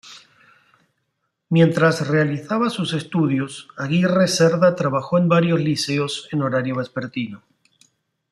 Mientras realizaba sus estudios, Aguirre Cerda trabajó en varios liceos en horario vespertino.